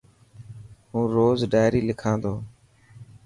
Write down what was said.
هون روز ڊائري لکا تو.